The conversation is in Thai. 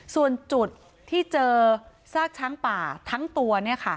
ส่วนจุดที่เจอซากช้างป่าทั้งตัว